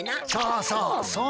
そうそう！